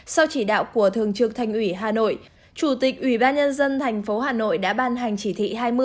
sau chỉ đạo của thường trực thành ủy hà nội chủ tịch ủy ban nhân dân thành phố hà nội đã ban hành chỉ thị hai mươi